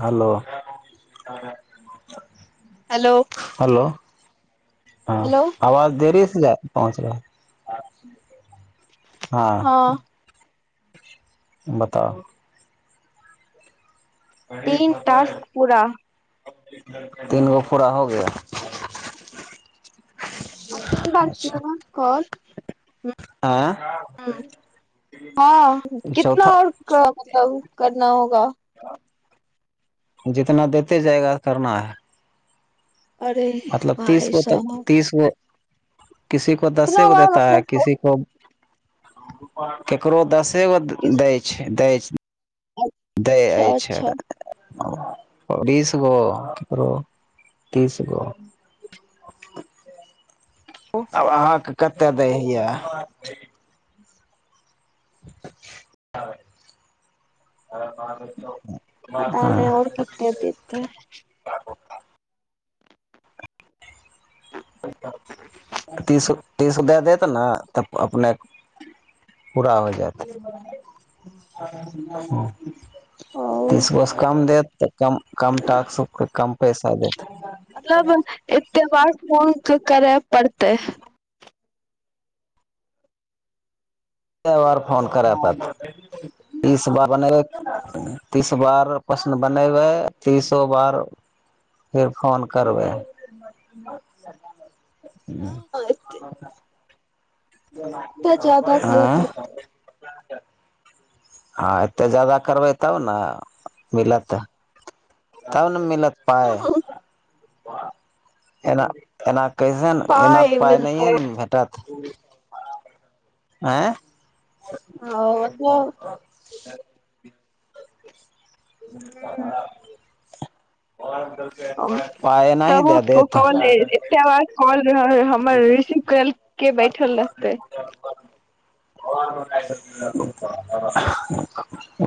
Hello. Hello hello hello हँ आवाज देरी सँ जा पहुँचब। हँ। बताउ। तीन टास्क पूरा तीन गो पूरा हो गया [inaudible] आ तीन बार क न को। आँय हूँ हँ कितना चौथा आर मतलब करना होगा [inaudible] जितना देते जायगा करना है। अरे मतलब तीस भाई गो त साहब तीसगो। [unintelligible] किसी को दसे इतना कोो बार देता है मतलब तो किसी को ककरकरो दस। गो द किस दई छै दै। ह [inaudible] देय अच्छा अछि अच्छा तो - तीस गो तीस गो आब अहाँके कते दै हियै [inaudible] पता नै आऔर किते देतय तीस गो तीस दए देत ने तब अपनेक पूरा हो जायत हूँ ओ तीस गो सँ कम देत तऽ कम कम टास्क होके कम पैसा दे मतलबन एतेक बड्ड फोन त करय पड़तै कै बार फोन करय पड़तै इस बार [inaudible] बनेगा तीस [inaudible] बारह प्रश्न बनेबै तीसोबार फेर फोन करबैय ह एते [inaudible] जादा करे आँय पड़तै हँ एते ज्यादा करबै तब न मिलत तब न मिलत पाइ एना एना कैसन एना पाइ नहिए न भेटत आँय आ [inaudible] ह [inaudible] हम पाइ एनाहि तब देय देत र हह हमर रिसीव करैय ला के बैठल रहतै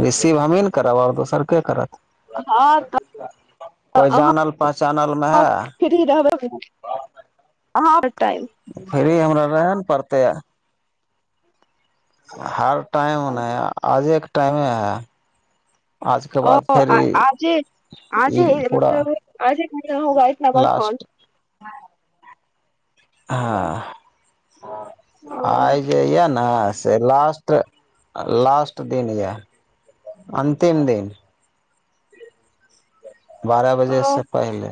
रिसीव हमही ने करब आओर दोसर के करत हँ तऽ कोइ अहाँ- जानल पहचानल मे है फ्री- रहबै हँ आर टाइप फ्री हमरा रहे ने पड़तैय हार टाइम नहि आज एक टाइमे हा ओ आजे ई आजे पूरा मतलब आजे महिना होगा इतना बाद कॉल [inaudible] लास्ट हँ ओ आइ जे या न से लास्ट लास्ट दिन या अन्तिम दिन बारह ओ बजेसँ पहिले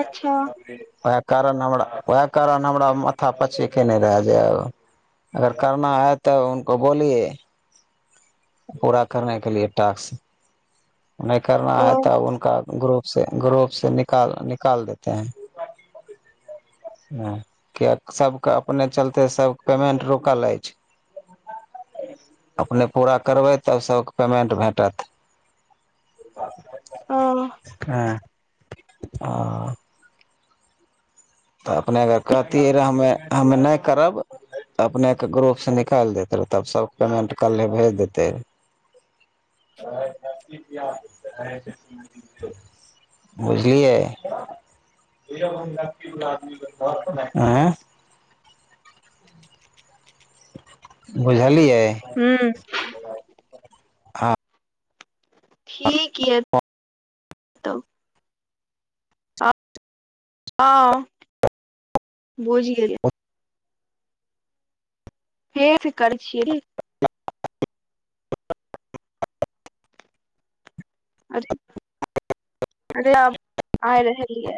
अच्छा [inaudible] कारण हमरा वएह कारण हमरा माथा पची केने रेहा जें अगर करना है तो उनको बोलिय पूरा करनेके लिए टास्क [inaudible] नहि करना ओ है तब उनका ग्रुप [inaudible] ग्रुप से निकाल निकाल देते हैं कियाक सबके अपने चलते सब कें पेमेंट रुकल अछि अपने पूरा करबै तब सबके पेमेन्ट भेटत ओ हँ हँ तऽ अपनेकें कहतियै रहऽ हमे हमे नहि करब अपनेके ग्रुपसँ निकालि देैतै रहै तब सब कें पेमेन्ट कल्हे भेज देतै बुझलियै आँय बुझलियै हूँ हँ ठीक या तब हँ बुझि गेलिय फेर कर छियै अरे अरेहम आ रहलियै